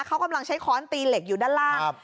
เขากำลังใช้ค้อนตีเหล็กอยู่ด้านล่าง